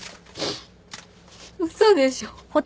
嘘でしょ。